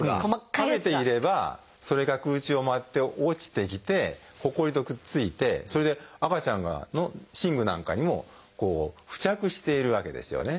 食べていればそれが空中を舞って落ちてきてほこりとくっついてそれで赤ちゃんの寝具なんかにも付着しているわけですよね。